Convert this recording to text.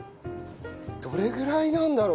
どれぐらいなんだろうな？